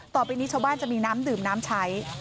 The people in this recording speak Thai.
ต่อไปนี้ชาวบ้านจะมีน้ำดื่มน้ำใช้